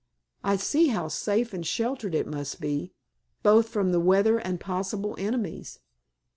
I see how safe and sheltered it must be, both from weather and possible enemies."